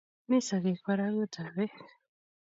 Mi sogeek barak utap beek